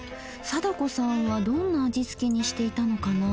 貞子さんはどんな味付けにしていたのかな？